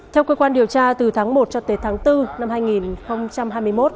theo cơ quan điều tra từ tháng một cho tới tháng bốn năm hai nghìn hai mươi một